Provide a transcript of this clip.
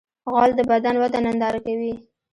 غول د بدن وده ننداره کوي.